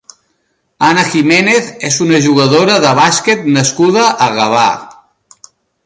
Ana Jiménez és una jugadora de bàsquet nascuda a Gavà.